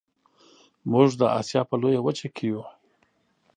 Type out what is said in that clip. موږ د اسیا په لویه وچه کې یو